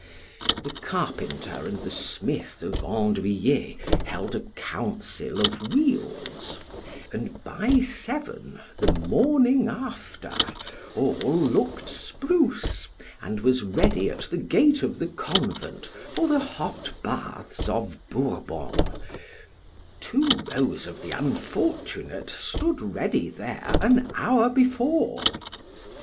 —— ——The carpenter and the smith of Andoüillets held a council of wheels; and by seven, the morning after, all look'd spruce, and was ready at the gate of the convent for the hot baths of Bourbon—two rows of the unfortunate stood ready there an hour before.